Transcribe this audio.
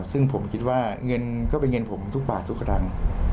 ซึ่งผมคิดว่าเงินก็เป็นเงินผมทุกบาททุกครั้ง